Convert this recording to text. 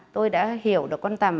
tôi đã hiểu được con tầm